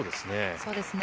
そうですね。